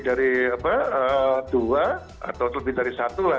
dari dua atau lebih dari satu lah